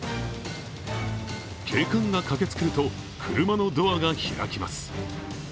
警官が駆けつけると車のドアが開きます。